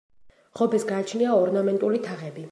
ღობეს გააჩნია ორნამენტული თაღები.